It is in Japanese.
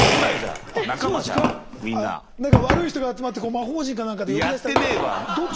何か悪い人が集まって魔法陣か何かで呼び出したり。